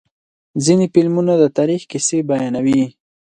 ځینې فلمونه د تاریخ کیسې بیانوي.